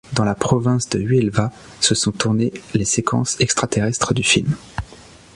Dans la province d'Huelva se sont tournées les séquences extraterrestres du film.